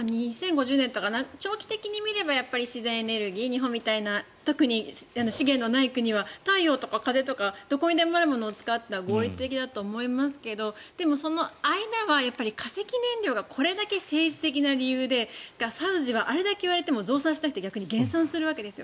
２０５０年とか長期的に見れば自然エネルギー日本みたいな特に資源のない国は太陽とか風とかどこにでもあるものを使うのは合理的だと思いますがその間は化石燃料がこれだけ政治的な理由でサウジがあれだけいわれても増産しないで逆に減産するんです。